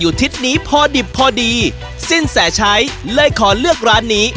ทิศนี้พอดิบพอดีสิ้นแสชัยเลยขอเลือกร้านนี้